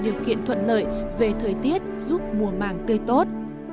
điều kiện thuận lợi về thời tiết giúp mùa màng tươi tốt